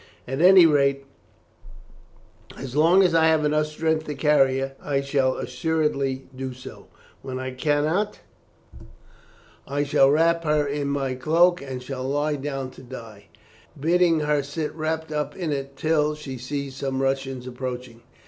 At any rate, as long as I have strength to carry her I shall assuredly do so; when I cannot, I shall wrap her in my cloak and shall lie down to die, bidding her sit wrapped up in it till she sees some Russians approaching.